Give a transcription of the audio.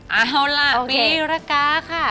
เอาล่ะปีรกาค่ะ